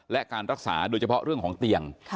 และการรักษาโดยเฉพาะเรื่องของเตียง